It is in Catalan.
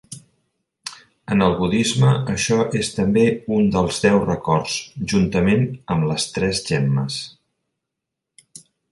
En el budisme, això és també un dels Deu Records juntament amb les Tres Gemmes.